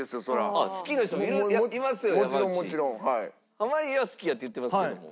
濱家は好きやって言ってますけども。